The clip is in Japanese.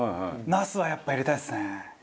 ナスはやっぱ入れたいですね。